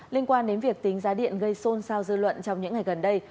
liên quan đến việc tính giá điện gây xôn xao dư luận trong những ngày gần đây